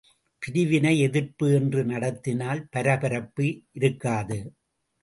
பிரிவினை எதிர்ப்பு என்று நடத்தினால் பரபரப்பு இருக்காது.